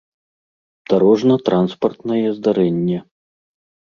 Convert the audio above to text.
дарожна-транспартнае здарэнне